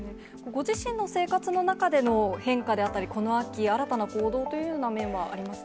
ご自身の生活の中での変化であったり、この秋、新たな行動というような面はあり